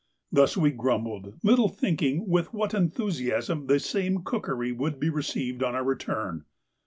Thus we grumbled, little thinking with what enthusiasm the same cookery would be received on our return.